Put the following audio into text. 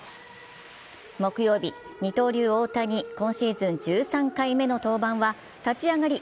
木曜日、二刀流・大谷、今シーズン１３回目の登板は立ち上がり